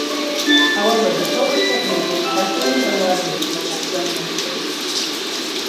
However, the Silver Pit may date partially or largely from the Wolstonian Stage.